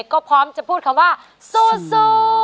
ก็พร้อมจะพูดคำว่าสู้